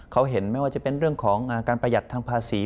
เขาเห็นไม่ว่าจะเป็นเรื่องของการประหยัดทางภาษี